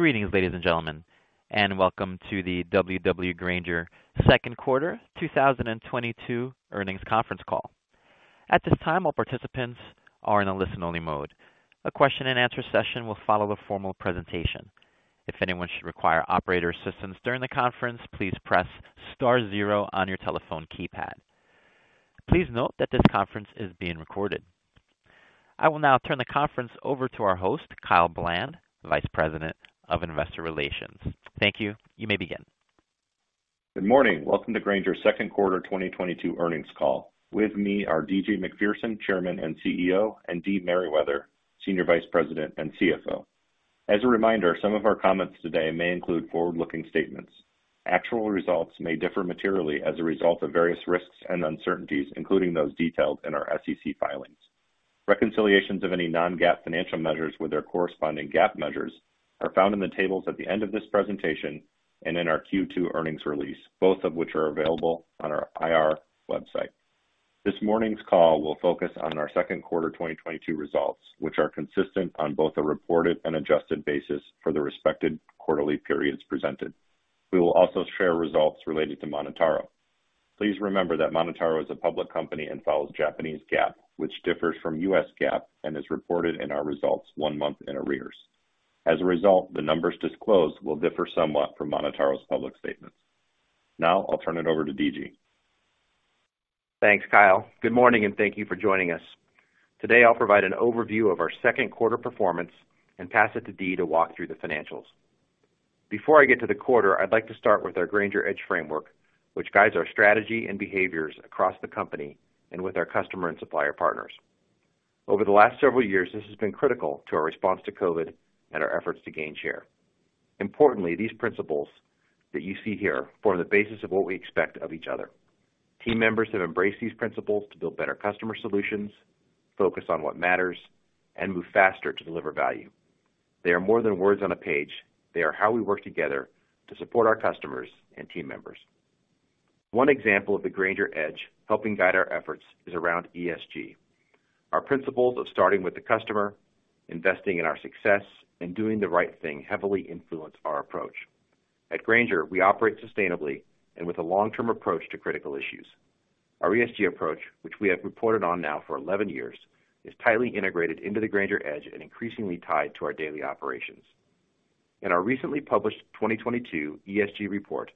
Greetings, ladies and gentlemen, and welcome to the W.W. Grainger second quarter 2022 earnings conference call. At this time, all participants are in a listen-only mode. A question and answer session will follow the formal presentation. If anyone should require operator assistance during the conference, please press star zero on your telephone keypad. Please note that this conference is being recorded. I will now turn the conference over to our host, Kyle Bland, Vice President of Investor Relations. Thank you. You may begin. Good morning. Welcome to Grainger's Second Quarter 2022 Earnings Call. With me are D.G. Macpherson, Chairman and CEO, and Dee Merriwether, Senior Vice President and CFO. As a reminder, some of our comments today may include forward-looking statements. Actual results may differ materially as a result of various risks and uncertainties, including those detailed in our SEC filings. Reconciliations of any non-GAAP financial measures with their corresponding GAAP measures are found in the tables at the end of this presentation and in our Q2 earnings release, both of which are available on our IR website. This morning's call will focus on our second quarter 2022 results, which are consistent on both a reported and adjusted basis for the respective quarterly periods presented. We will also share results related to MonotaRO. Please remember that MonotaRO is a public company and follows Japanese GAAP, which differs from U.S. GAAP and is reported in our results one month in arrears. As a result, the numbers disclosed will differ somewhat from MonotaRO's public statements. Now I'll turn it over to D.G.. Thanks, Kyle. Good morning, and thank you for joining us. Today, I'll provide an overview of our second quarter performance and pass it to Dee to walk through the financials. Before I get to the quarter, I'd like to start with our Grainger Edge framework, which guides our strategy and behaviors across the company and with our customer and supplier partners. Over the last several years, this has been critical to our response to COVID and our efforts to gain share. Importantly, these principles that you see here form the basis of what we expect of each other. Team members have embraced these principles to build better customer solutions, focus on what matters, and move faster to deliver value. They are more than words on a page. They are how we work together to support our customers and team members. One example of the Grainger Edge helping guide our efforts is around ESG. Our principles of starting with the customer, investing in our success, and doing the right thing heavily influence our approach. At Grainger, we operate sustainably and with a long-term approach to critical issues. Our ESG approach, which we have reported on now for 11 years, is tightly integrated into the Grainger Edge and increasingly tied to our daily operations. In our recently published 2022 ESG report,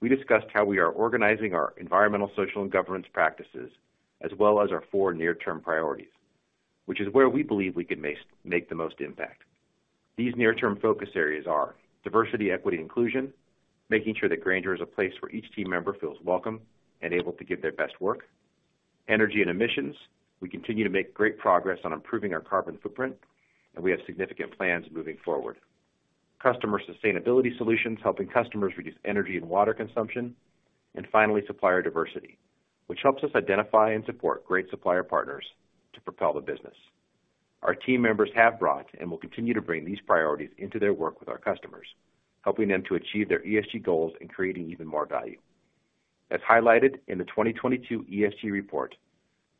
we discussed how we are organizing our environmental, social, and governance practices, as well as our four near-term priorities, which is where we believe we can make the most impact. These near-term focus areas are diversity, equity, and inclusion, making sure that Grainger is a place where each team member feels welcome and able to give their best work. Energy and emissions, we continue to make great progress on improving our carbon footprint, and we have significant plans moving forward. Customer sustainability solutions, helping customers reduce energy and water consumption. Finally, supplier diversity, which helps us identify and support great supplier partners to propel the business. Our team members have brought and will continue to bring these priorities into their work with our customers, helping them to achieve their ESG goals and creating even more value. As highlighted in the 2022 ESG report,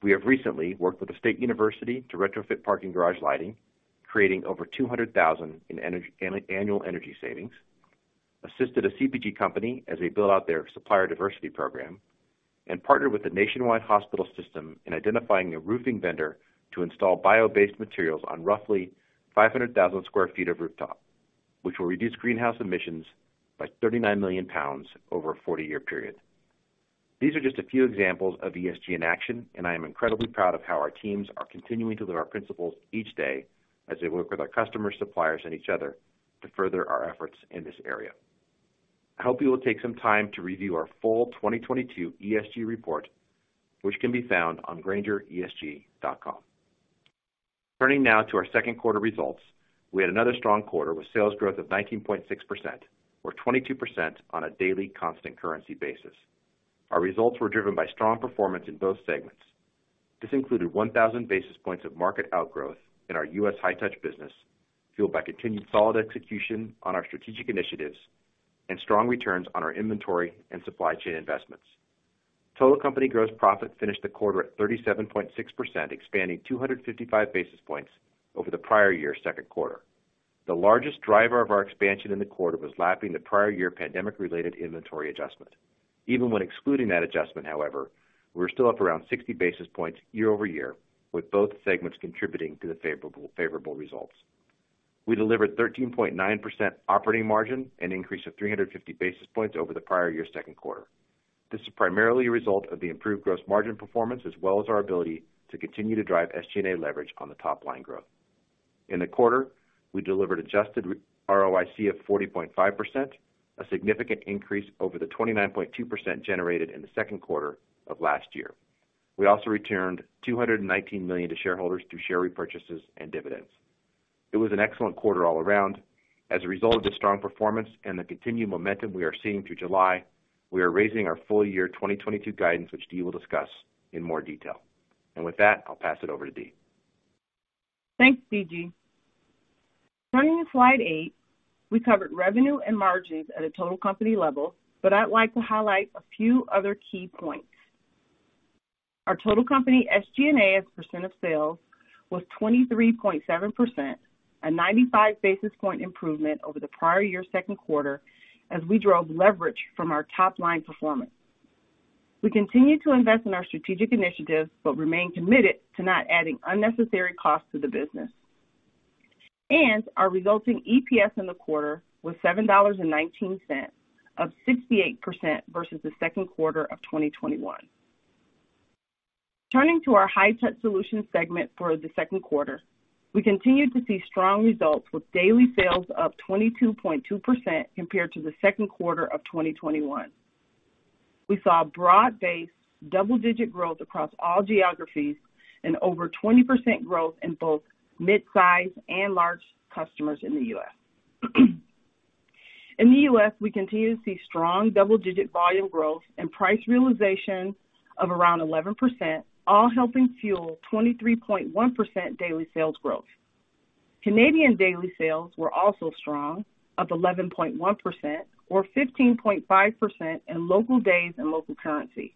we have recently worked with a state university to retrofit parking garage lighting, creating over $200,000 in annual energy savings, assisted a CPG company as they build out their supplier diversity program, and partnered with a nationwide hospital system in identifying a roofing vendor to install bio-based materials on roughly 500,000 sq ft of rooftop, which will reduce greenhouse emissions by 39 million lbs over a 40-year period. These are just a few examples of ESG in action, and I am incredibly proud of how our teams are continuing to live our principles each day as they work with our customers, suppliers, and each other to further our efforts in this area. I hope you will take some time to review our full 2022 ESG report, which can be found on graingeresg.com. Turning now to our second quarter results. We had another strong quarter with sales growth of 19.6% or 22% on a daily constant currency basis. Our results were driven by strong performance in both segments. This included 1,000 basis points of market outgrowth in our U.S. High-Touch business, fueled by continued solid execution on our strategic initiatives and strong returns on our inventory and supply chain investments. Total company gross profit finished the quarter at 37.6%, expanding 255 basis points over the prior year's second quarter. The largest driver of our expansion in the quarter was lapping the prior year pandemic-related inventory adjustment. Even when excluding that adjustment, however, we're still up around 60 basis points year-over-year, with both segments contributing to the favorable results. We delivered 13.9% operating margin, an increase of 350 basis points over the prior year's second quarter. This is primarily a result of the improved gross margin performance, as well as our ability to continue to drive SG&A leverage on the top line growth. In the quarter, we delivered adjusted ROIC of 40.5%, a significant increase over the 29.2% generated in the second quarter of last year. We also returned $219 million to shareholders through share repurchases and dividends. It was an excellent quarter all around. As a result of the strong performance and the continued momentum we are seeing through July, we are raising our full-year 2022 guidance, which Dee will discuss in more detail. With that, I'll pass it over to Dee. Thanks, D.G. Turning to slide eight, we covered revenue and margins at a total company level, but I'd like to highlight a few other key points. Our total company SG&A as a percent of sales was 23.7%, a 95 basis point improvement over the prior year's second quarter as we drove leverage from our top-line performance. We continue to invest in our strategic initiatives, but remain committed to not adding unnecessary costs to the business. Our resulting EPS in the quarter was $7.19 up 68% versus the second quarter of 2021. Turning to our High-Touch Solutions segment for the second quarter, we continued to see strong results with daily sales up 22.2% compared to the second quarter of 2021. We saw broad-based double-digit growth across all geographies and over 20% growth in both midsize and large customers in the U.S.. In the U.S., we continue to see strong double-digit volume growth and price realization of around 11%, all helping fuel 23.1% daily sales growth. Canadian daily sales were also strong of 11.1% or 15.5% in local days in local currency.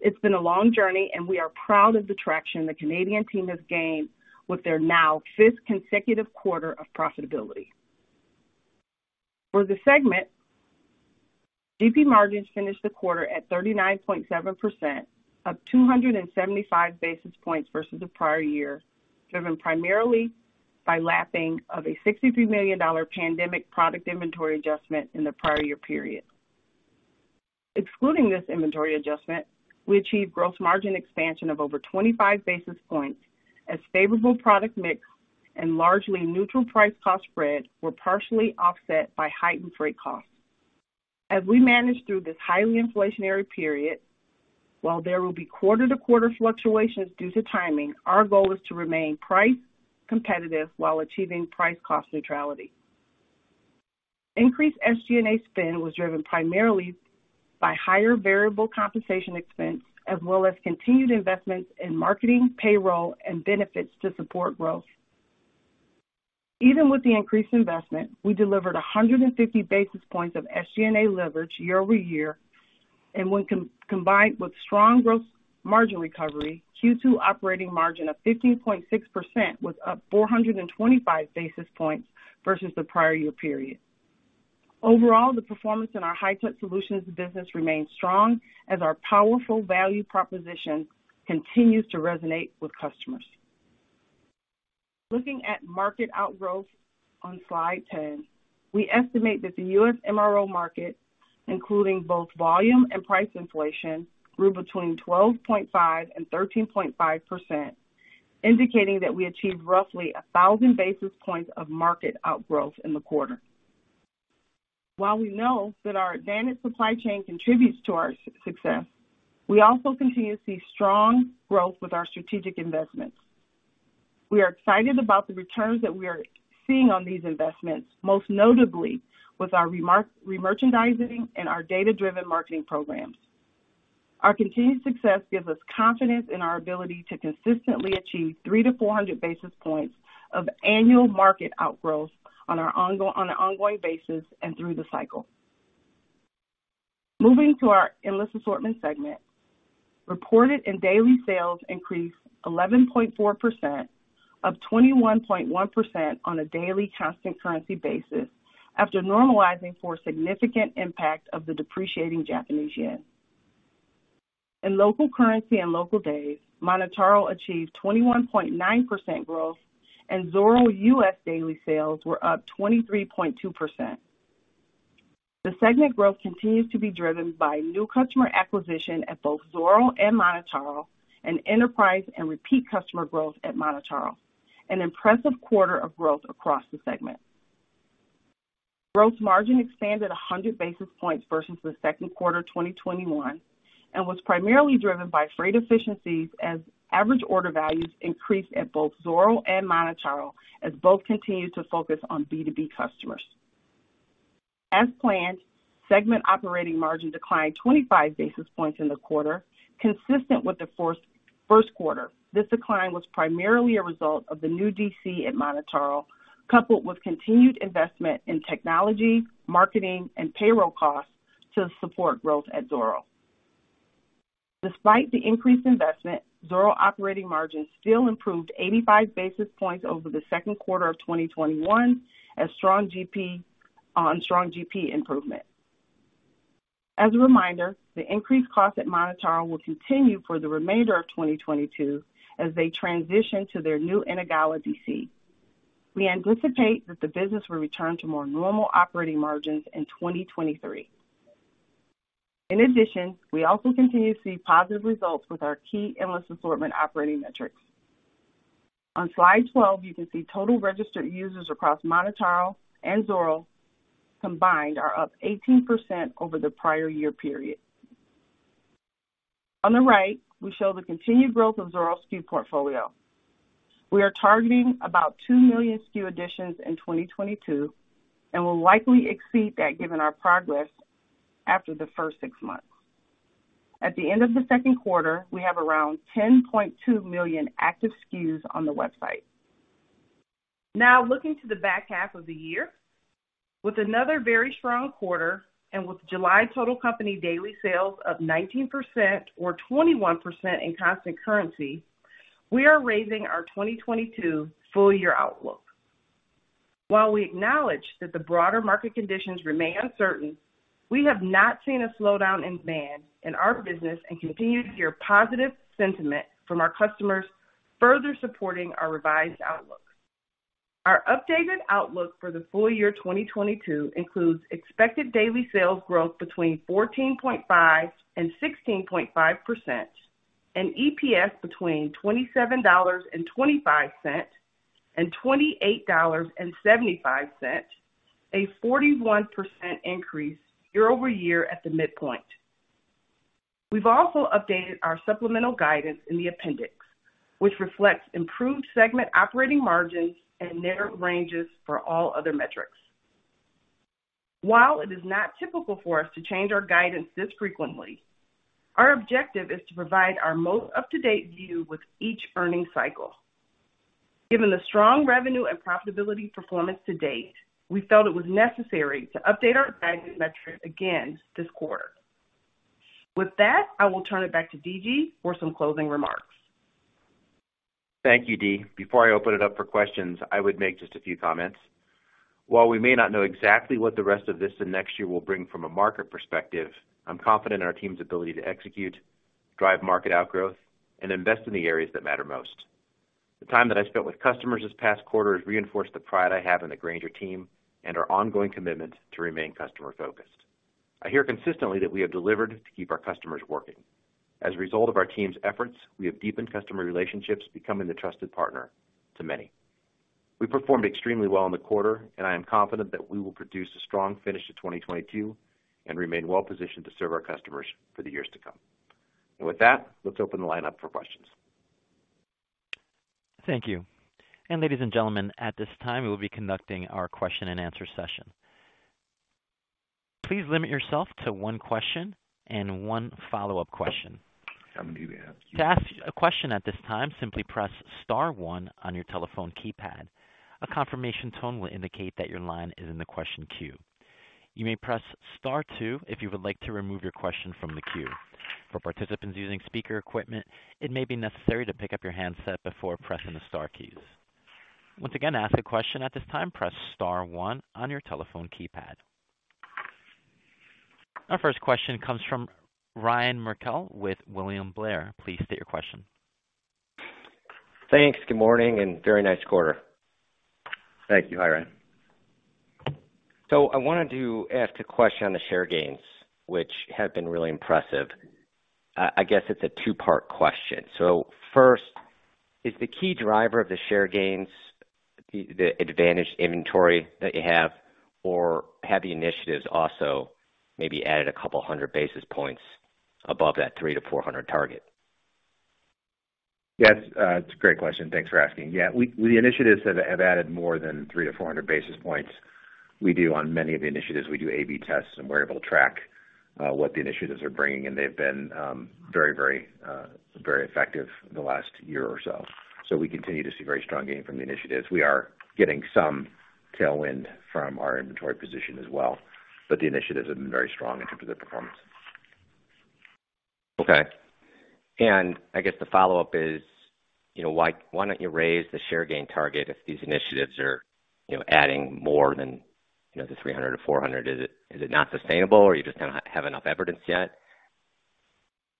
It's been a long journey, and we are proud of the traction the Canadian team has gained with their now fifth consecutive quarter of profitability. For the segment, GP margins finished the quarter at 39.7%, up 275 basis points versus the prior year, driven primarily by lapping of a $63 million pandemic product inventory adjustment in the prior year period. Excluding this inventory adjustment, we achieved gross margin expansion of over 25 basis points as favorable product mix and largely neutral price cost spread were partially offset by heightened freight costs. As we manage through this highly inflationary period, while there will be quarter-to-quarter fluctuations due to timing, our goal is to remain price competitive while achieving price cost neutrality. Increased SG&A spend was driven primarily by higher variable compensation expense as well as continued investments in marketing, payroll, and benefits to support growth. Even with the increased investment, we delivered 150 basis points of SG&A leverage year-over-year, and when combined with strong gross margin recovery, Q2 operating margin of 15.6% was up 425 basis points versus the prior year period. Overall, the performance in our High-Touch Solutions business remains strong as our powerful value proposition continues to resonate with customers. Looking at market outgrowth on slide 10, we estimate that the U.S. MRO market, including both volume and price inflation, grew between 12.5% and 13.5%, indicating that we achieved roughly 1,000 basis points of market outgrowth in the quarter. While we know that our advanced supply chain contributes to our success, we also continue to see strong growth with our strategic investments. We are excited about the returns that we are seeing on these investments, most notably with our remerchandising and our data-driven marketing programs. Our continued success gives us confidence in our ability to consistently achieve 300-400 basis points of annual market outgrowth on an ongoing basis and through the cycle. Moving to our endless assortment segment, reported and daily sales increased 11.4% and 21.1% on a daily constant currency basis after normalizing for significant impact of the depreciating Japanese yen. In local currency and local days, MonotaRO achieved 21.9% growth, and Zoro U.S. daily sales were up 23.2%. The segment growth continues to be driven by new customer acquisition at both Zoro and MonotaRO and enterprise and repeat customer growth at MonotaRO. An impressive quarter of growth across the segment. Gross margin expanded 100 basis points versus the second quarter of 2021 and was primarily driven by freight efficiencies as average order values increased at both Zoro and MonotaRO as both continued to focus on B2B customers. As planned, segment operating margin declined 25 basis points in the quarter, consistent with the first quarter. This decline was primarily a result of the new DC at MonotaRO, coupled with continued investment in technology, marketing, and payroll costs to support growth at Zoro. Despite the increased investment, Zoro operating margins still improved 85 basis points over the second quarter of 2021 on strong GP improvement. As a reminder, the increased cost at MonotaRO will continue for the remainder of 2022 as they transition to their new Inagawa DC. We anticipate that the business will return to more normal operating margins in 2023. In addition, we also continue to see positive results with our key endless assortment operating metrics. On slide 12, you can see total registered users across MonotaRO and Zoro combined are up 18% over the prior year period. On the right, we show the continued growth of Zoro's SKU portfolio. We are targeting about 2 million SKU additions in 2022 and will likely exceed that given our progress after the first six months. At the end of the second quarter, we have around 10.2 million active SKUs on the website. Now looking to the back half of the year. With another very strong quarter and with July total company daily sales of 19% or 21% in constant currency, we are raising our 2022 full year outlook. While we acknowledge that the broader market conditions remain uncertain, we have not seen a slowdown in demand in our business and continue to hear positive sentiment from our customers, further supporting our revised outlook. Our updated outlook for the full year 2022 includes expected daily sales growth between 14.5% and 16.5% and EPS between $27.25 and $28.75, a 41% increase year-over-year at the midpoint. We've also updated our supplemental guidance in the appendix, which reflects improved segment operating margins and narrow ranges for all other metrics. While it is not typical for us to change our guidance this frequently, our objective is to provide our most up-to-date view with each earnings cycle. Given the strong revenue and profitability performance to date, we felt it was necessary to update our guidance metric again this quarter. With that, I will turn it back to D.G. for some closing remarks. Thank you, Dee. Before I open it up for questions, I would make just a few comments. While we may not know exactly what the rest of this and next year will bring from a market perspective, I'm confident in our team's ability to execute, drive market outgrowth, and invest in the areas that matter most. The time that I spent with customers this past quarter has reinforced the pride I have in the Grainger team and our ongoing commitment to remain customer-focused. I hear consistently that we have delivered to keep our customers working. As a result of our team's efforts, we have deepened customer relationships, becoming the trusted partner to many. We performed extremely well in the quarter, and I am confident that we will produce a strong finish to 2022 and remain well positioned to serve our customers for the years to come. With that, let's open the line up for questions. Thank you. Ladies and gentlemen, at this time, we'll be conducting our question-and-answer session. Please limit yourself to one question and one follow-up question. To ask a question at this time, simply press star one on your telephone keypad. A confirmation tone will indicate that your line is in the question queue. You may press star two if you would like to remove your question from the queue. For participants using speaker equipment, it may be necessary to pick up your handset before pressing the star keys. Once again, to ask a question at this time, press star one on your telephone keypad. Our first question comes from Ryan Merkel with William Blair. Please state your question. Thanks. Good morning and very nice quarter. Thank you. Hi, Ryan. I wanted to ask a question on the share gains, which have been really impressive. I guess it's a two-part question. First, is the key driver of the share gains the advantage inventory that you have or have the initiatives also maybe added a couple hundred basis points above that 300-400 target? Yes, it's a great question. Thanks for asking. Yeah, the initiatives have added more than 300-400 basis points. We do on many of the initiatives, we do A/B tests, and we're able to track what the initiatives are bringing, and they've been very effective in the last year or so. We continue to see very strong gain from the initiatives. We are getting some tailwind from our inventory position as well, but the initiatives have been very strong in terms of their performance. Okay. I guess the follow-up is, you know, why don't you raise the share gain target if these initiatives are, you know, adding more than, you know, the 300-400? Is it not sustainable, or you just don't have enough evidence yet?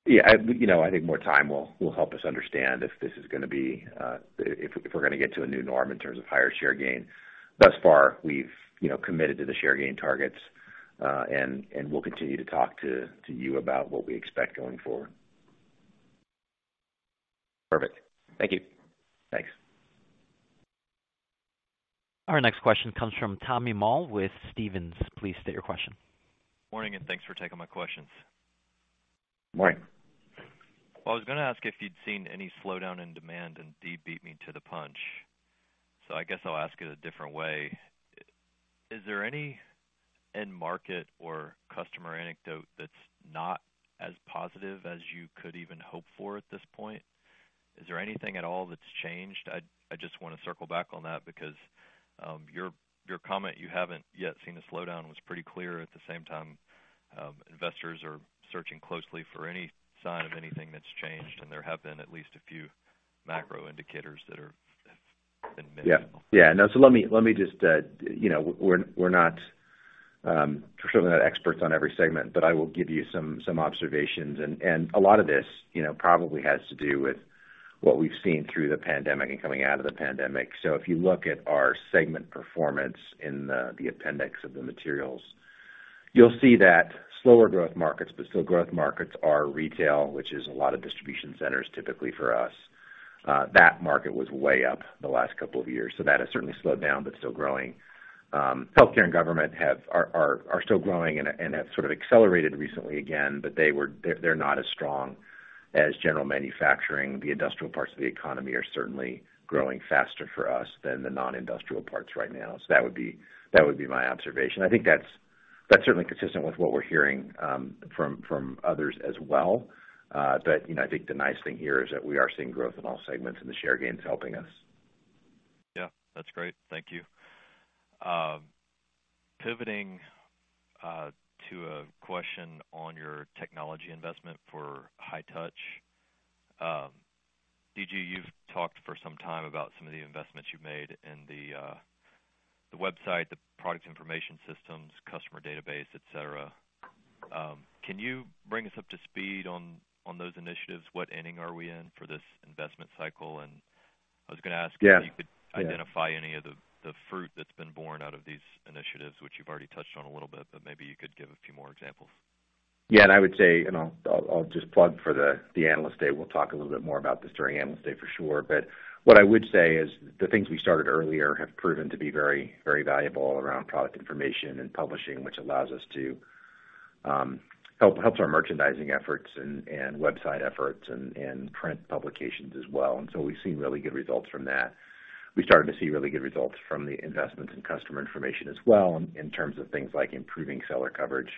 Yeah, you know, I think more time will help us understand if this is gonna be if we're gonna get to a new norm in terms of higher share gain. Thus far, we've, you know, committed to the share gain targets, and we'll continue to talk to you about what we expect going forward. Perfect. Thank you. Thanks. Our next question comes from Tommy Moll with Stephens. Please state your question. Morning, and thanks for taking my questions. Morning. Well, I was gonna ask if you'd seen any slowdown in demand, and Dee beat me to the punch, so I guess I'll ask it a different way. Is there any end market or customer anecdote that's not as positive as you could even hope for at this point? Is there anything at all that's changed? I'd, I just wanna circle back on that because your comment, you haven't yet seen a slowdown, was pretty clear. At the same time, investors are searching closely for any sign of anything that's changed, and there have been at least a few macro indicators that have been minimal. Yeah. Yeah. No. Let me just, you know, we're not, we're certainly not experts on every segment, but I will give you some observations. A lot of this, you know, probably has to do with what we've seen through the pandemic and coming out of the pandemic. If you look at our segment performance in the appendix of the materials, you'll see that slower growth markets, but still growth markets are retail, which is a lot of distribution centers typically for us. That market was way up the last couple of years. That has certainly slowed down, but still growing. Healthcare and government are still growing and have sort of accelerated recently again, but they're not as strong as general manufacturing. The industrial parts of the economy are certainly growing faster for us than the non-industrial parts right now. That would be my observation. I think that's certainly consistent with what we're hearing from others as well. You know, I think the nice thing here is that we are seeing growth in all segments and the share gain is helping us. Yeah, that's great. Thank you. Pivoting to a question on your technology investment for High-Touch. D.G., you've talked for some time about some of the investments you've made in the website, the product information systems, customer database, et cetera. Can you bring us up to speed on those initiatives? What inning are we in for this investment cycle? I was gonna ask- Yeah. If you could identify any of the fruit that's been borne out of these initiatives, which you've already touched on a little bit, but maybe you could give a few more examples. Yeah. I would say, I'll just plug for the Analyst Day. We'll talk a little bit more about this during Analyst Day for sure. What I would say is the things we started earlier have proven to be very, very valuable around product information and publishing, which helps our merchandising efforts and website efforts and print publications as well. We've seen really good results from that. We started to see really good results from the investments in customer information as well in terms of things like improving seller coverage,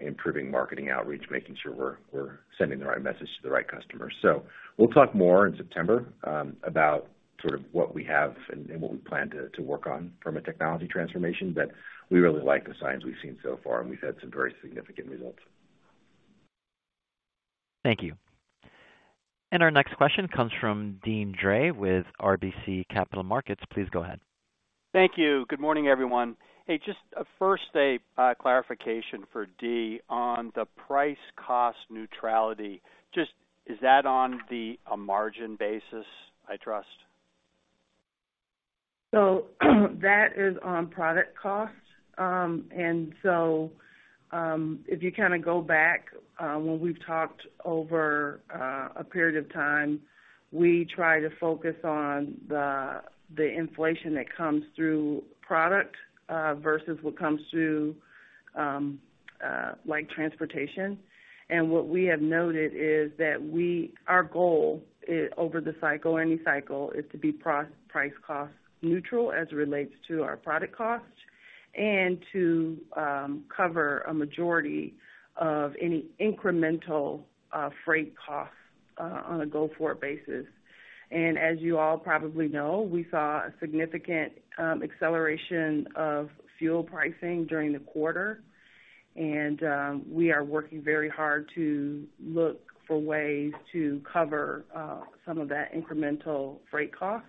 improving marketing outreach, making sure we're sending the right message to the right customers. We'll talk more in September about sort of what we have and what we plan to work on from a technology transformation. We really like the signs we've seen so far, and we've had some very significant results. Thank you. Our next question comes from Deane Dray with RBC Capital Markets. Please go ahead. Thank you. Good morning, everyone. Hey, just a first stab clarification for Dee on the price-cost neutrality. Just, is that on the margin basis, I trust? That is on product costs. If you kinda go back, when we've talked over a period of time, we try to focus on the inflation that comes through product versus what comes through like transportation. What we have noted is that our goal is over the cycle, any cycle, is to be price cost neutral as it relates to our product costs and to cover a majority of any incremental freight costs on a go-forward basis. As you all probably know, we saw a significant acceleration of fuel prices during the quarter, and we are working very hard to look for ways to cover some of that incremental freight cost.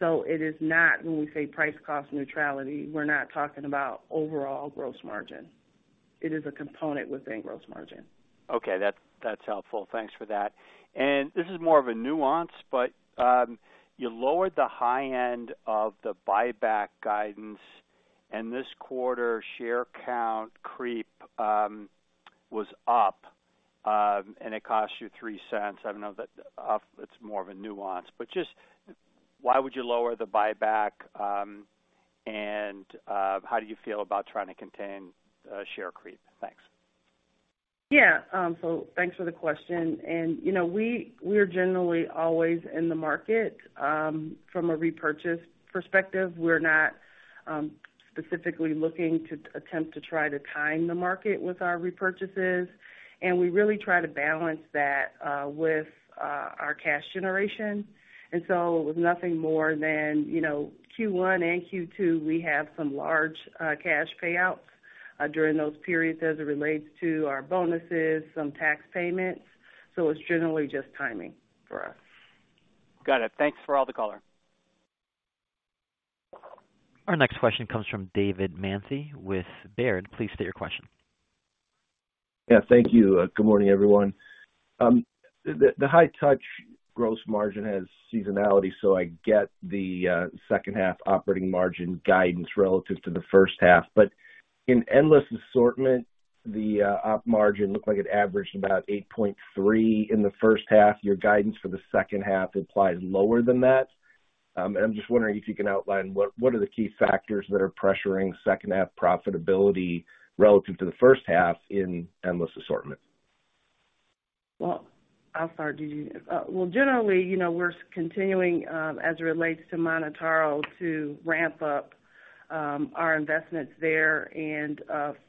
It is not when we say price cost neutrality, we're not talking about overall gross margin. It is a component within gross margin. Okay. That's helpful. Thanks for that. This is more of a nuance, but you lowered the high end of the buyback guidance, and this quarter share count creep was up, and it cost you $0.03. I don't know if that's off. It's more of a nuance. Just why would you lower the buyback, and how do you feel about trying to contain share creep? Thanks. Yeah. Thanks for the question. You know, we're generally always in the market from a repurchase perspective. We're not specifically looking to attempt to try to time the market with our repurchases, and we really try to balance that with our cash generation. It was nothing more than, you know, Q1 and Q2, we have some large cash payouts during those periods as it relates to our bonuses, some tax payments. It's generally just timing for us. Got it. Thanks for all the color. Our next question comes from David Manthey with Baird. Please state your question. Yeah. Thank you. Good morning, everyone. The High-Touch gross margin has seasonality, so I get the second half operating margin guidance relative to the first half. In Endless Assortment, the op margin looked like it averaged about 8.3% in the first half. Your guidance for the second half implies lower than that. I'm just wondering if you can outline what are the key factors that are pressuring second half profitability relative to the first half in Endless Assortment? Well, I'll start, D.G. Well, generally, you know, we're continuing, as it relates to MonotaRO to ramp up, our investments there and,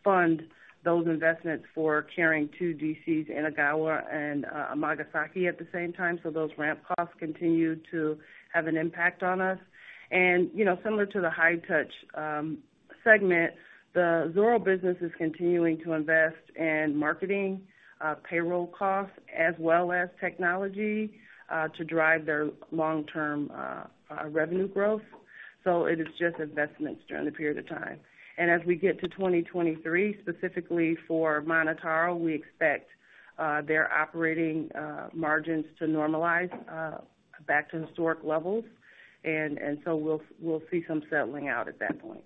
fund those investments for carrying two DCs, Inagawa and Amagasaki, at the same time. Those ramp costs continue to have an impact on us. You know, similar to the High-Touch segment, the Zoro business is continuing to invest in marketing, payroll costs as well as technology, to drive their long-term revenue growth. It is just investments during the period of time. As we get to 2023, specifically for MonotaRO, we expect their operating margins to normalize back to historic levels. We'll see some settling out at that point.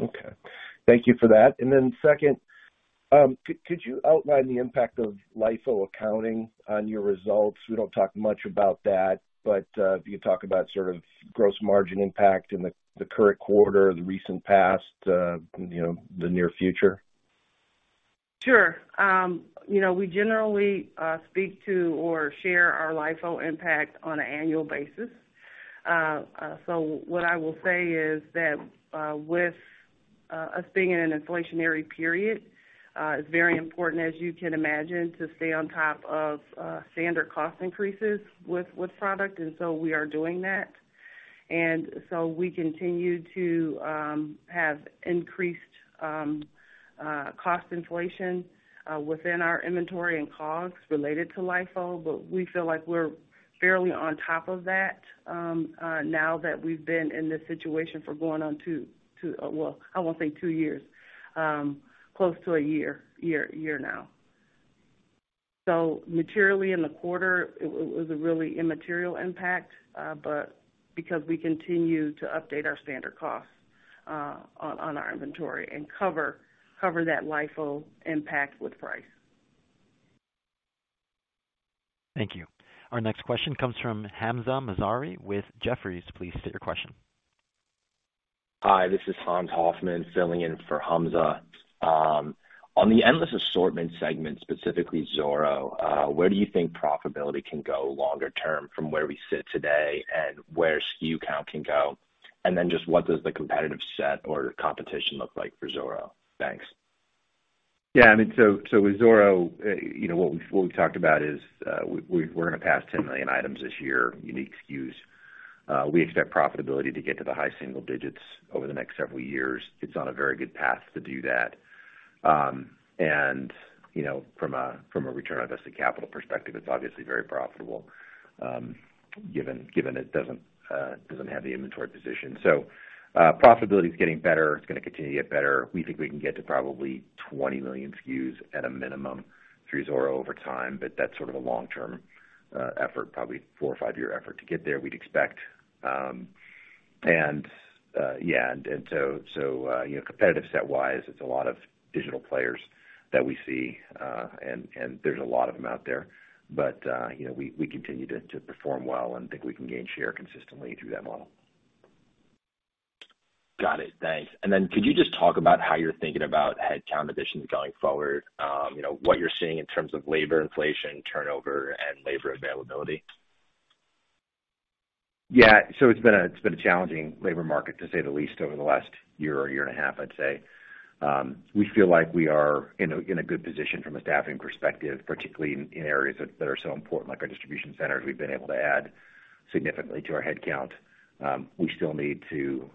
Okay. Thank you for that. Second, could you outline the impact of LIFO accounting on your results? We don't talk much about that, but if you talk about sort of gross margin impact in the current quarter, the recent past, you know, the near future. Sure. You know, we generally speak to or share our LIFO impact on an annual basis. So what I will say is that, with us being in an inflationary period, it's very important, as you can imagine, to stay on top of standard cost increases with product. We are doing that. We continue to have increased cost inflation within our inventory and COGS related to LIFO, but we feel like we're fairly on top of that, now that we've been in this situation for going on two. Well, I won't say two years. Close to a year now. Materially in the quarter, it was a really immaterial impact, but because we continue to update our standard costs, on our inventory and cover that LIFO impact with price. Thank you. Our next question comes from Hamzah Mazari with Jefferies. Please state your question. Hi, this is Hans Hoffman filling in for Hamzah. On the endless assortment segment, specifically Zoro, where do you think profitability can go longer term from where we sit today and where SKU count can go? Just what does the competitive set or competition look like for Zoro? Thanks. I mean, with Zoro, you know, what we talked about is, we're gonna pass 10 million items this year, unique SKUs. We expect profitability to get to the high single digits over the next several years. It's on a very good path to do that. You know, from a return on invested capital perspective, it's obviously very profitable, given it doesn't have the inventory position. Profitability is getting better. It's gonna continue to get better. We think we can get to probably 20 million SKUs at a minimum through Zoro over time, but that's sort of a long-term effort, probably four, five-year effort to get there, we'd expect. Yeah. You know, competitive set wise, it's a lot of digital players that we see, and there's a lot of them out there. You know, we continue to perform well and think we can gain share consistently through that model. Got it. Thanks. Could you just talk about how you're thinking about headcount additions going forward? You know, what you're seeing in terms of labor inflation, turnover, and labor availability. It's been a challenging labor market, to say the least, over the last year or year and a half, I'd say. We feel like we are in a good position from a staffing perspective, particularly in areas that are so important, like our distribution centers. We've been able to add significantly to our headcount. We still need to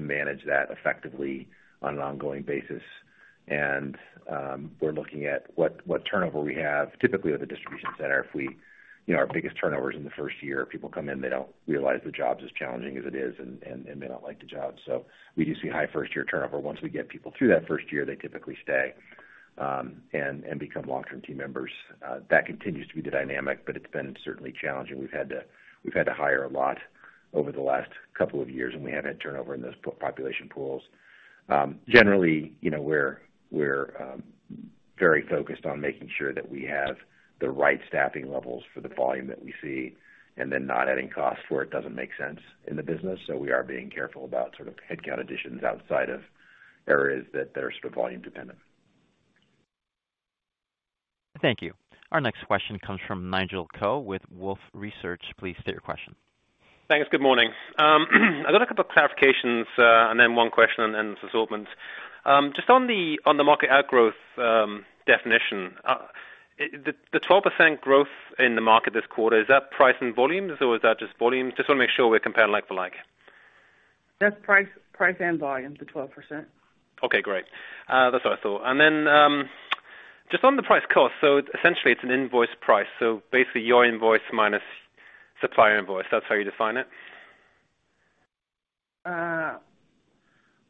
manage that effectively on an ongoing basis. We're looking at what turnover we have typically with the distribution center. You know, our biggest turnover is in the first year. People come in, they don't realize the job's as challenging as it is and they don't like the job. We do see high first-year turnover. Once we get people through that first year, they typically stay and become long-term team members. That continues to be the dynamic, but it's been certainly challenging. We've had to hire a lot over the last couple of years, and we have had turnover in those population pools. Generally, you know, we're very focused on making sure that we have the right staffing levels for the volume that we see and then not adding costs where it doesn't make sense in the business. We are being careful about sort of headcount additions outside of areas that are sort of volume dependent. Thank you. Our next question comes from Nigel Coe with Wolfe Research. Please state your question. Thanks. Good morning. I've got a couple clarifications, and then one question and then assortment. Just on the market growth definition, the 12% growth in the market this quarter, is that price and volumes, or is that just volumes? Just wanna make sure we're comparing like for like. That's price and volume, the 12%. Okay, great. That's what I thought. Just on the price cost, essentially it's an invoice price. Basically your invoice minus supplier invoice. That's how you define it?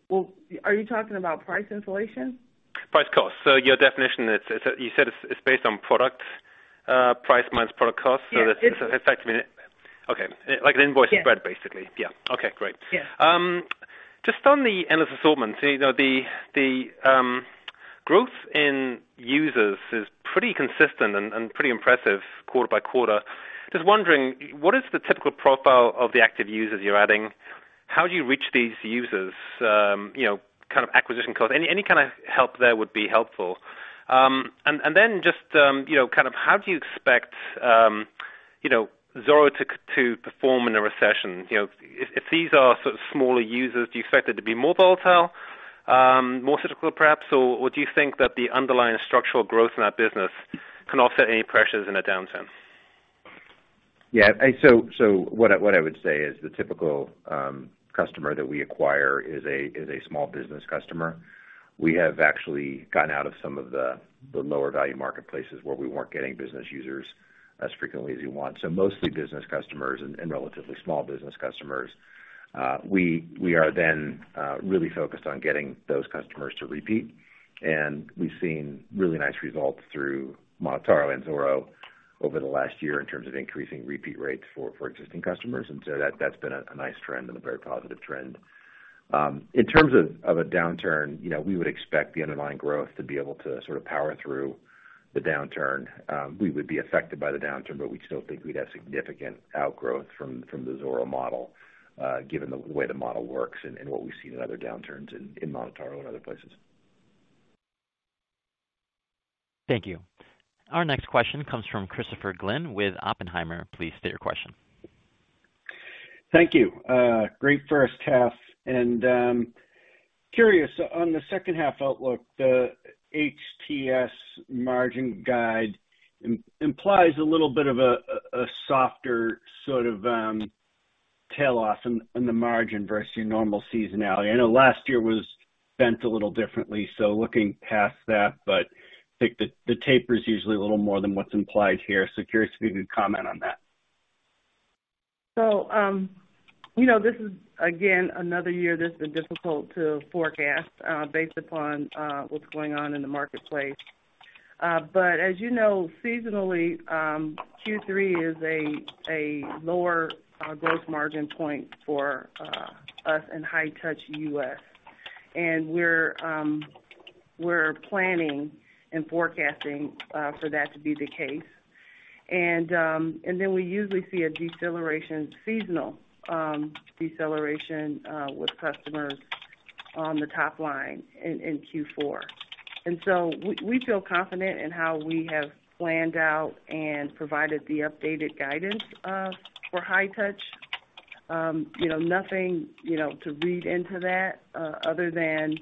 Well, are you talking about price inflation? Price cost. Your definition is, you said it's based on product price minus product cost. Yeah. It's effectively okay. Like an invoice spread, basically. Yeah. Yeah. Okay, great. Yeah. Just on the endless assortment, you know, the growth in users is pretty consistent and pretty impressive quarter by quarter. Just wondering, what is the typical profile of the active users you're adding? How do you reach these users? You know, kind of acquisition cost. Any kind of help there would be helpful. And then just, you know, kind of how do you expect, you know, Zoro to perform in a recession? You know, if these are sort of smaller users, do you expect it to be more volatile, more cyclical perhaps, or do you think that the underlying structural growth in that business can offset any pressures in a downturn? Yeah, what I would say is the typical customer that we acquire is a small business customer. We have actually gotten out of some of the lower value marketplaces where we weren't getting business users as frequently as you want. Mostly business customers and relatively small business customers. We are then really focused on getting those customers to repeat, and we've seen really nice results through MonotaRO and Zoro over the last year in terms of increasing repeat rates for existing customers. That's been a nice trend and a very positive trend. In terms of a downturn, you know, we would expect the underlying growth to be able to sort of power through the downturn. We would be affected by the downturn, but we still think we'd have significant outgrowth from the Zoro model, given the way the model works and what we've seen in other downturns in MonotaRO and other places. Thank you. Our next question comes from Christopher Glynn with Oppenheimer. Please state your question. Thank you. Great first half. Curious on the second half outlook, the HTS margin guide implies a little bit of a softer sort of tail off in the margin versus your normal seasonality. I know last year was bent a little differently, so looking past that, but I think the taper is usually a little more than what's implied here. Curious if you could comment on that. You know, this is again another year that's been difficult to forecast based upon what's going on in the marketplace. As you know, seasonally, Q3 is a lower gross margin point for us in High-Touch U.S. We're planning and forecasting for that to be the case. Then we usually see a seasonal deceleration with customers on the top line in Q4. We feel confident in how we have planned out and provided the updated guidance for High-Touch. You know, nothing to read into that other than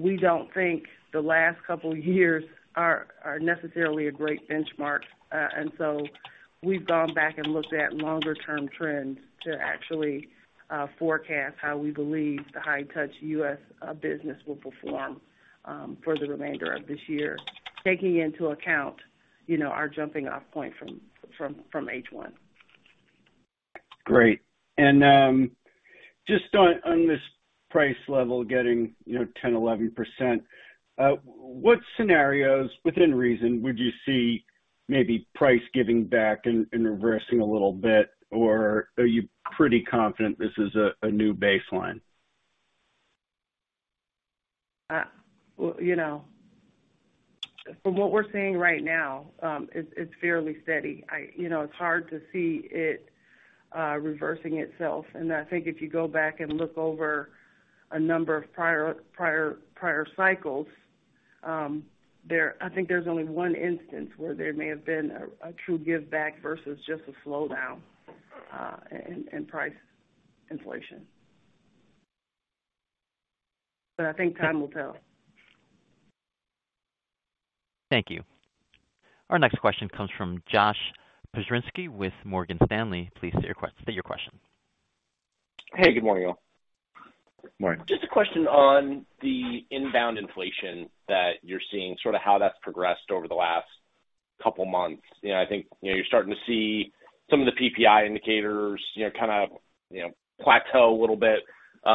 we don't think the last couple of years are necessarily a great benchmark. We've gone back and looked at longer-term trends to actually forecast how we believe the High-Touch U.S. business will perform for the remainder of this year, taking into account, you know, our jumping off point from H1. Great. Just on this price level getting, you know, 10%-11%, what scenarios within reason would you see maybe price giving back and reversing a little bit? Or are you pretty confident this is a new baseline? Well, you know, from what we're seeing right now, it's fairly steady. You know, it's hard to see it reversing itself. I think if you go back and look over a number of prior cycles, I think there's only one instance where there may have been a true give back versus just a slowdown in price inflation. I think time will tell. Thank you. Our next question comes from Josh Pokrzywinski with Morgan Stanley. Please state your question. Hey, good morning, y'all. Morning. Just a question on the inbound inflation that you're seeing, sort of how that's progressed over the last couple months. You know, I think, you know, you're starting to see some of the PPI indicators, you know, kind of, you know, plateau a little bit. You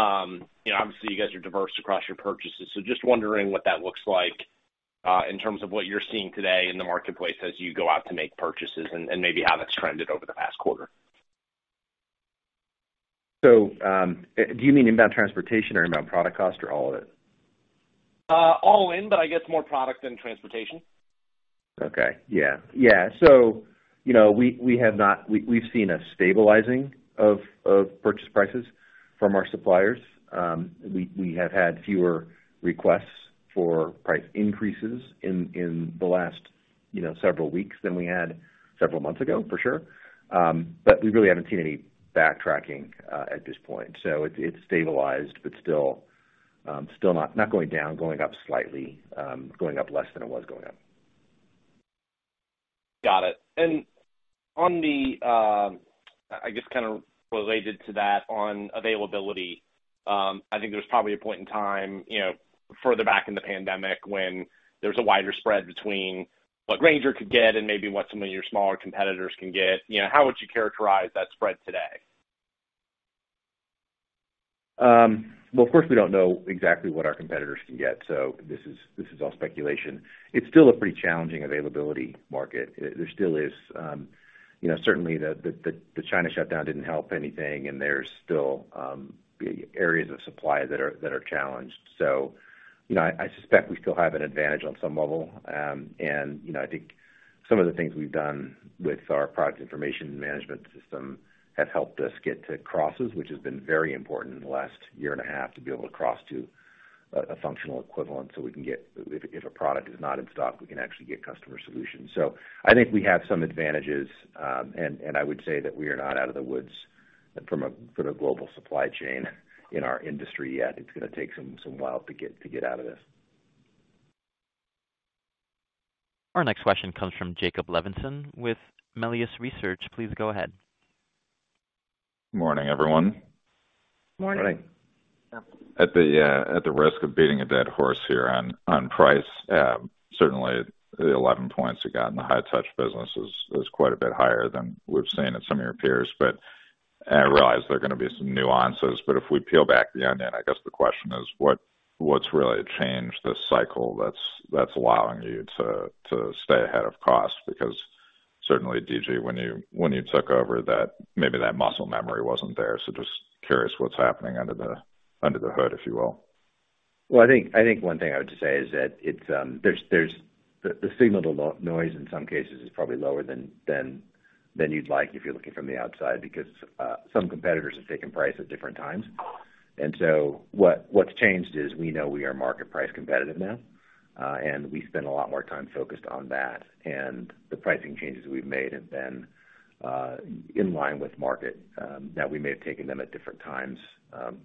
know, obviously you guys are diverse across your purchases. So just wondering what that looks like, in terms of what you're seeing today in the marketplace as you go out to make purchases and maybe how that's trended over the past quarter. Do you mean inbound transportation or inbound product cost or all of it? All in, but I guess more product than transportation. You know, we've seen a stabilizing of purchase prices from our suppliers. We have had fewer requests for price increases in the last, you know, several weeks than we had several months ago, for sure. We really haven't seen any backtracking at this point. It's stabilized but still not going down, going up slightly, going up less than it was going up. Got it. On the, I guess kind of related to that on availability, I think there's probably a point in time, you know, further back in the pandemic when there was a wider spread between what Grainger could get and maybe what some of your smaller competitors can get. You know, how would you characterize that spread today? Well, of course, we don't know exactly what our competitors can get, so this is all speculation. It's still a pretty challenging availability market. There still is, you know, certainly the China shutdown didn't help anything, and there's still areas of supply that are challenged. You know, I suspect we still have an advantage on some level. You know, I think some of the things we've done with our product information management system have helped us get to crosses, which has been very important in the last year and a half, to be able to cross to a functional equivalent so we can get. If a product is not in stock, we can actually get customer solutions. I think we have some advantages. I would say that we are not out of the woods from a global supply chain in our industry yet. It's gonna take some while to get out of this. Our next question comes from Jacob Levinson with Melius Research. Please go ahead. Morning, everyone. Morning. Morning. At the risk of beating a dead horse here on price, certainly the 11 points you got in the High-Touch business is quite a bit higher than we've seen in some of your peers. I realize there are gonna be some nuances. If we peel back the onion, I guess the question is. What's really changed this cycle that's allowing you to stay ahead of cost? Because certainly, D.G., when you took over that, maybe that muscle memory wasn't there. Just curious what's happening under the hood, if you will. I think one thing I would just say is that it's, there's the signal-to-noise in some cases is probably lower than you'd like if you're looking from the outside, because some competitors have taken price at different times. What's changed is we know we are market price competitive now, and we spend a lot more time focused on that. The pricing changes we've made have been in line with market, that we may have taken them at different times,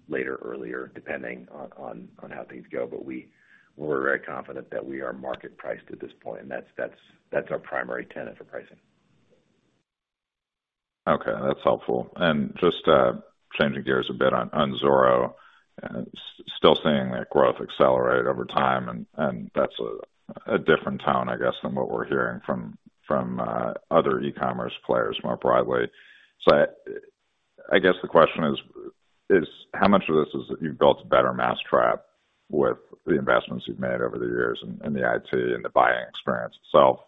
later, earlier, depending on how things go. We're very confident that we are market priced at this point, and that's our primary tenet for pricing. Okay, that's helpful. Just changing gears a bit on Zoro, still seeing that growth accelerate over time, and that's a different tone, I guess, than what we're hearing from other e-commerce players more broadly. I guess the question is how much of this is that you built a better mousetrap with the investments you've made over the years in the IT and the buying experience itself?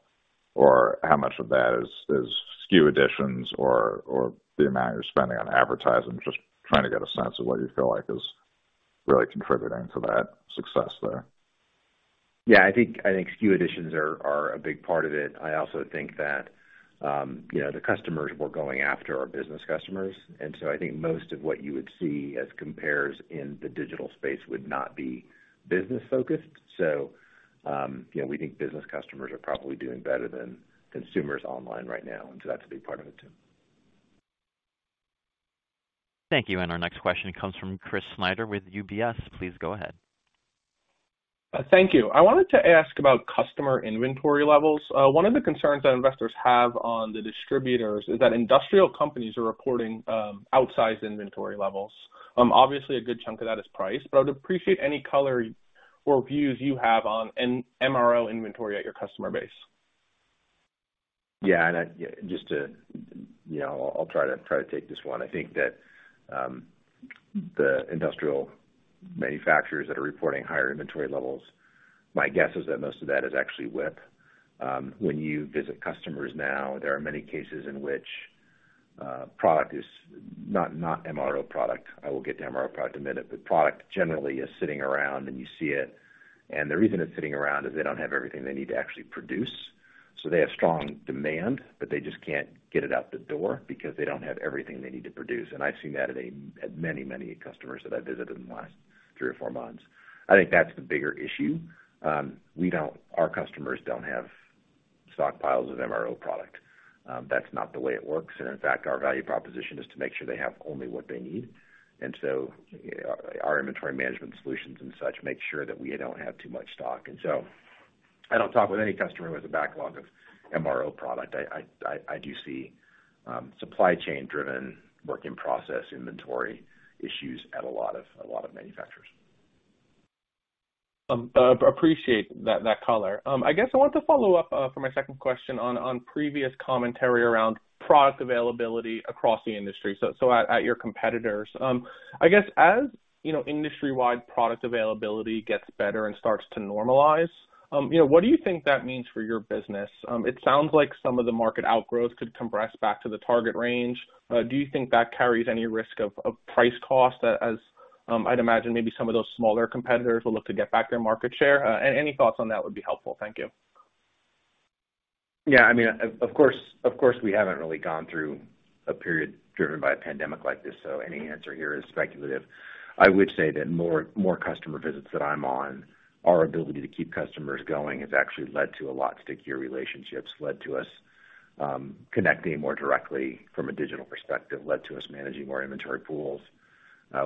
Or how much of that is SKU additions or the amount you're spending on advertising? Just trying to get a sense of what you feel like is really contributing to that success there. Yeah, I think SKU additions are a big part of it. I also think that, you know, the customers we're going after are business customers. I think most of what you would see as compares in the digital space would not be business-focused. You know, we think business customers are probably doing better than consumers online right now, and that's a big part of it too. Thank you. Our next question comes from Chris Snyder with UBS. Please go ahead. Thank you. I wanted to ask about customer inventory levels. One of the concerns that investors have on the distributors is that industrial companies are reporting outsized inventory levels. Obviously a good chunk of that is price, but I would appreciate any color or views you have on an MRO inventory at your customer base. Yeah. Just to, you know, I'll try to take this one. I think that the industrial manufacturers that are reporting higher inventory levels, my guess is that most of that is actually WIP. When you visit customers now, there are many cases in which product is not MRO product. I will get to MRO product in a minute, but product generally is sitting around, and you see it. The reason it's sitting around is they don't have everything they need to actually produce. They have strong demand, but they just can't get it out the door because they don't have everything they need to produce. I've seen that at many customers that I visited in the last three or four months. I think that's the bigger issue. Our customers don't have stockpiles of MRO product. That's not the way it works. In fact, our value proposition is to make sure they have only what they need. Our inventory management solutions and such make sure that we don't have too much stock. I don't talk with any customer who has a backlog of MRO product. I do see supply chain driven work in process inventory issues at a lot of manufacturers. Appreciate that color. I guess I want to follow up for my second question on previous commentary around product availability across the industry, so at your competitors. I guess, as you know, industry-wide product availability gets better and starts to normalize, you know, what do you think that means for your business? It sounds like some of the market outgrowths could compress back to the target range. Do you think that carries any risk of price cost as, I'd imagine maybe some of those smaller competitors will look to get back their market share? Any thoughts on that would be helpful. Thank you. Yeah. I mean, of course, we haven't really gone through a period driven by a pandemic like this, so any answer here is speculative. I would say that more customer visits that I'm on, our ability to keep customers going has actually led to a lot stickier relationships, led to us connecting more directly from a digital perspective, led to us managing more inventory pools.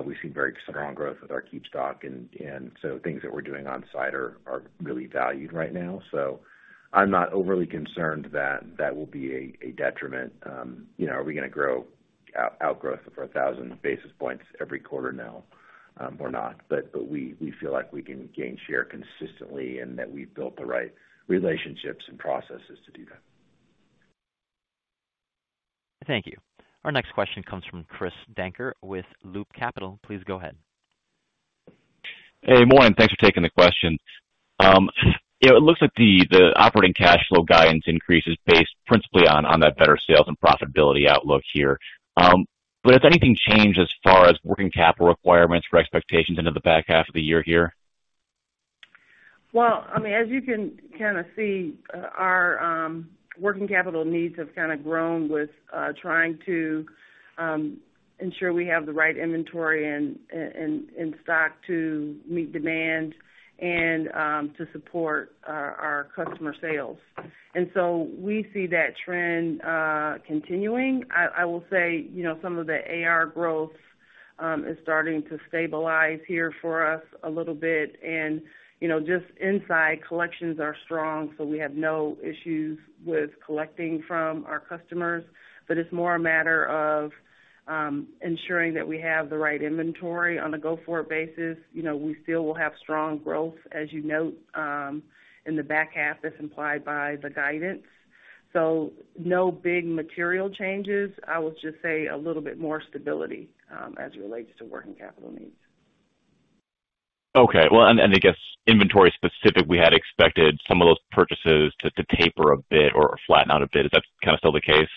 We've seen very strong growth with our KeepStock, and so things that we're doing on site are really valued right now. I'm not overly concerned that that will be a detriment. You know, are we gonna grow outgrowth of a thousand basis points every quarter now, or not? We feel like we can gain share consistently and that we've built the right relationships and processes to do that. Thank you. Our next question comes from Chris Dankert with Loop Capital. Please go ahead. Hey, morning. Thanks for taking the question. It looks like the operating cash flow guidance increase is based principally on that better sales and profitability outlook here. Has anything changed as far as working capital requirements for expectations into the back half of the year here? Well, I mean, as you can kind of see, our working capital needs have kind of grown with trying to ensure we have the right inventory and stock to meet demand and to support our customer sales. We see that trend continuing. I will say, you know, some of the AR growth is starting to stabilize here for us a little bit. You know, just inside, collections are strong, so we have no issues with collecting from our customers. It's more a matter of ensuring that we have the right inventory on a go-forward basis. You know, we still will have strong growth, as you note, in the back half, as implied by the guidance. No big material changes. I would just say a little bit more stability, as it relates to working capital needs. Okay. Well, I guess inventory specific, we had expected some of those purchases to taper a bit or flatten out a bit. Is that kind of still the case?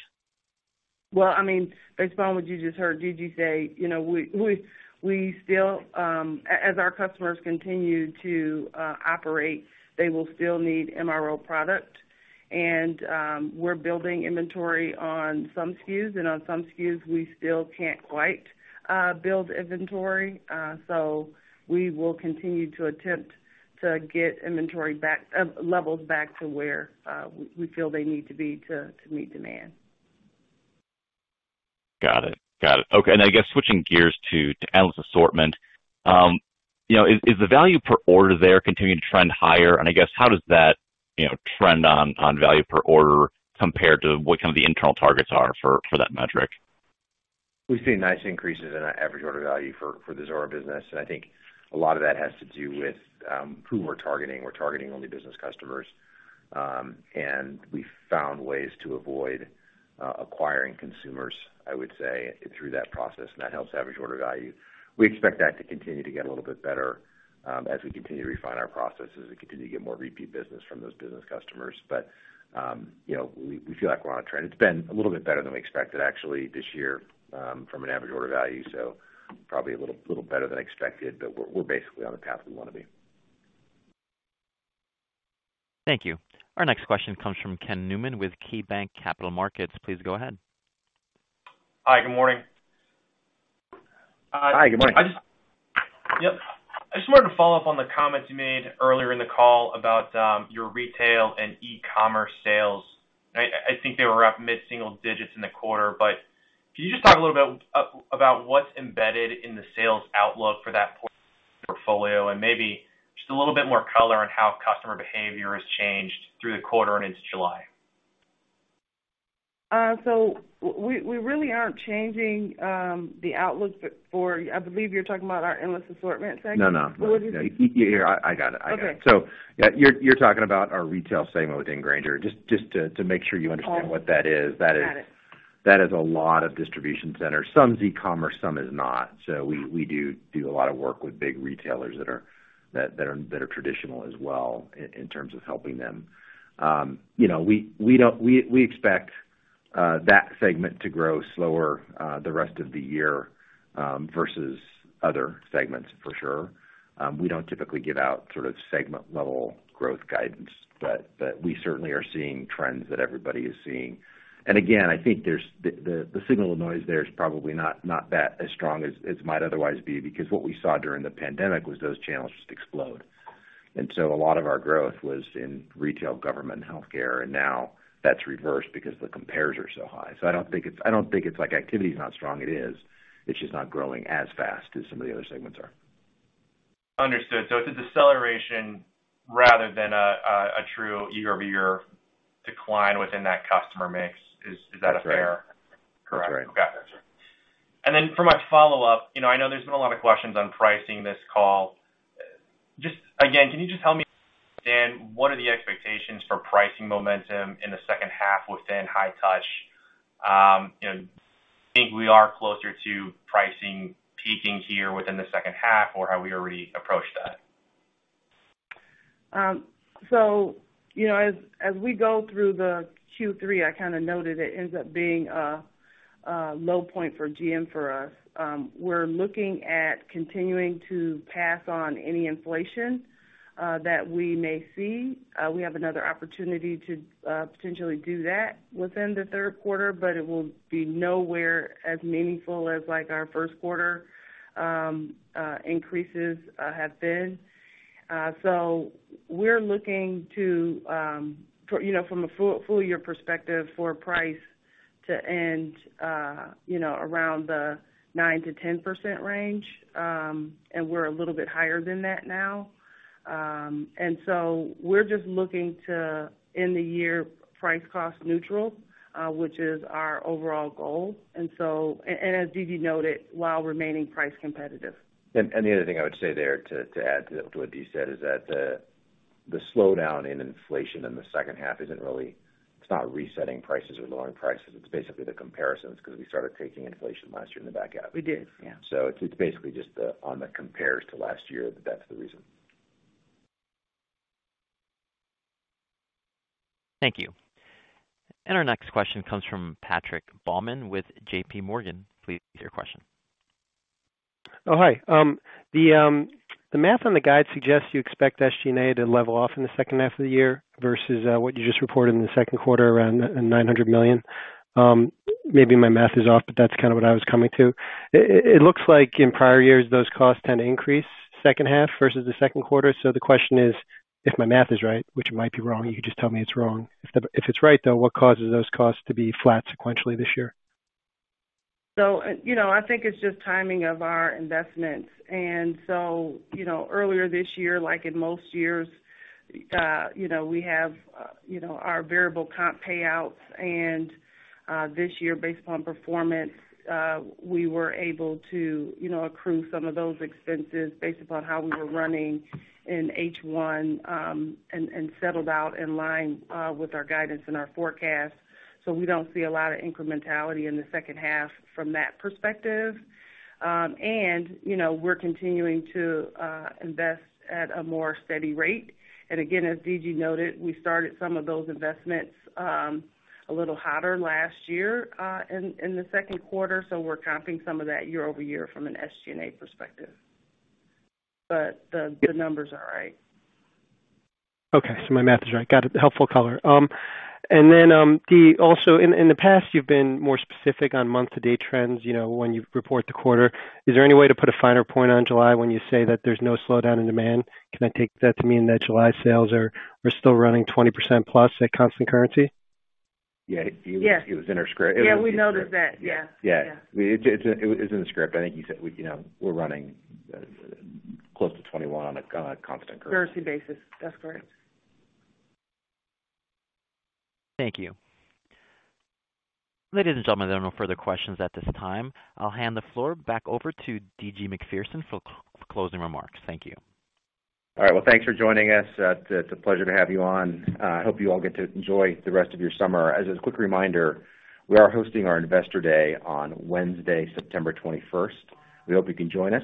Well, I mean, based upon what you just heard D.G. say, you know, we still as our customers continue to operate, they will still need MRO product. We're building inventory on some SKUs, and on some SKUs, we still can't quite build inventory. We will continue to attempt to get inventory back levels back to where we feel they need to be to meet demand. Got it. Okay. I guess switching gears to endless assortment, you know, is the value per order there continuing to trend higher? I guess, how does that, you know, trend on value per order compared to what kind of the internal targets are for that metric? We've seen nice increases in our average order value for the Zoro business. I think a lot of that has to do with who we're targeting. We're targeting only business customers. We found ways to avoid acquiring consumers, I would say, through that process, and that helps average order value. We expect that to continue to get a little bit better as we continue to refine our processes and continue to get more repeat business from those business customers. You know, we feel like we're on a trend. It's been a little bit better than we expected actually this year from an average order value, so probably a little better than expected, but we're basically on the path we wanna be. Thank you. Our next question comes from Ken Newman with KeyBanc Capital Markets. Please go ahead. Hi, good morning. Hi, good morning. I just wanted to follow up on the comments you made earlier in the call about your retail and e-commerce sales. I think they were up mid-single digits in the quarter, but can you just talk a little bit about what's embedded in the sales outlook for that portfolio and maybe just a little bit more color on how customer behavior has changed through the quarter and into July? We really aren't changing the outlook for, I believe you're talking about our endless assortment segment. No, no. What is it? Yeah, I got it. Okay. You're talking about our retail segment within Grainger. Just to make sure you understand what that is. Got it. That is a lot of distribution centers. Some is e-commerce, some is not. We do a lot of work with big retailers that are traditional as well in terms of helping them. You know, we expect that segment to grow slower the rest of the year versus other segments for sure. We don't typically give out sort of segment-level growth guidance, but we certainly are seeing trends that everybody is seeing. Again, I think the signal to noise there is probably not that as strong as might otherwise be, because what we saw during the pandemic was those channels just explode. A lot of our growth was in retail, government, and healthcare, and now that's reversed because the compares are so high. I don't think it's like activity is not strong. It is. It's just not growing as fast as some of the other segments are. Understood. It's a deceleration rather than a true year-over-year decline within that customer mix. Is that a fair- That's right. Correct. Okay. For my follow-up, you know, I know there's been a lot of questions on pricing on this call. Just again, can you just help me understand what are the expectations for pricing momentum in the second half within High-Touch? You know, do you think we are closer to pricing peaking here within the second half, or have we already approached that? You know, as we go through the Q3, I kind of noted it ends up being a low point for GM for us. We're looking at continuing to pass on any inflation that we may see. We have another opportunity to potentially do that within the third quarter, but it will be nowhere as meaningful as like our first quarter increases have been. We're looking to, you know, from a full year perspective for price to end, you know, around the 9%-10% range. We're a little bit higher than that now. We're just looking to end the year price cost neutral, which is our overall goal. As D.G. noted, while remaining price competitive. The other thing I would say there to add to what Dee said is that the slowdown in inflation in the second half isn't really. It's not resetting prices or lowering prices. It's basically the comparisons 'cause we started taking inflation last year in the back half. We did, yeah. It's basically just on the compares to last year that's the reason. Thank you. Our next question comes from Patrick Baumann with JPMorgan. Please go ahead. The math on the guide suggests you expect SG&A to level off in the second half of the year versus what you just reported in the second quarter, around $900 million. Maybe my math is off, but that's kind of what I was coming to. It looks like in prior years, those costs tend to increase second half versus the second quarter. The question is, if my math is right, which it might be wrong, you can just tell me it's wrong. If it's right, though, what causes those costs to be flat sequentially this year? You know, I think it's just timing of our investments. You know, earlier this year, like in most years, you know, we have you know, our variable comp payouts. This year, based upon performance, we were able to, you know, accrue some of those expenses based upon how we were running in H1, and settled out in line with our guidance and our forecast. We don't see a lot of incrementality in the second half from that perspective. You know, we're continuing to invest at a more steady rate. Again, as D.G. noted, we started some of those investments a little hotter last year in the second quarter, so we're comping some of that year-over-year from an SG&A perspective. The numbers are right. My math is right. Got it. Helpful color. Dee, also in the past, you've been more specific on month-to-date trends, you know, when you report the quarter. Is there any way to put a finer point on July when you say that there's no slowdown in demand? Can I take that to mean that July sales are still running 20%+ at constant currency? Yeah. Yes. It was in our script. Yeah, we noted that. Yeah. Yeah. It was in the script. I think you said we, you know, we're running close to 21% on a constant currency. Currency basis. That's correct. Thank you. Ladies and gentlemen, there are no further questions at this time. I'll hand the floor back over to D.G. Macpherson for closing remarks. Thank you. All right. Well, thanks for joining us. It's a pleasure to have you on. I hope you all get to enjoy the rest of your summer. As a quick reminder, we are hosting our Investor Day on Wednesday, September 21st. We hope you can join us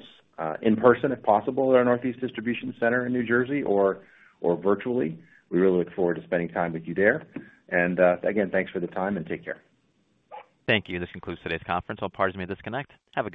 in person if possible at our Northeast Distribution Center in New Jersey or virtually. We really look forward to spending time with you there. Again, thanks for the time and take care. Thank you. This concludes today's conference. All parties may disconnect. Have a good night.